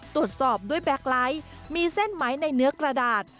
ตรวจสอบด้วยแบ็คไลท์มีเส้นไหมในเนื้อกระดาษ